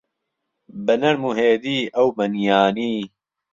بهنەرم و هێدی ئەو بهنییانی